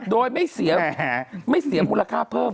โดยไม่เสียมไม่เสียมมูลค่าเพิ่ม